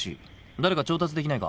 誰か調達できないか？